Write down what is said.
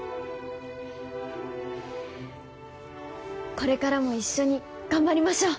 これからも一緒に頑張りましょう